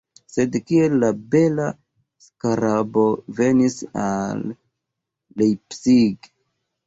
Sed kiel la bela skarabo venis al Leipzig?